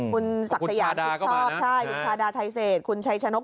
คุณสรรคุณชาดาก็มาใช่ชาดาไทเสช